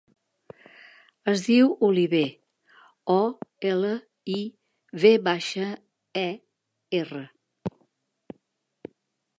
Es diu Oliver: o, ela, i, ve baixa, e, erra.